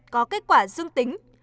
có kết quả dương tính